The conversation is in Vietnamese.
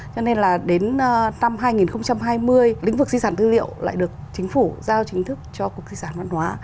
cho nên là đến năm hai nghìn hai mươi lĩnh vực di sản tư liệu lại được chính phủ giao chính thức cho cục di sản văn hóa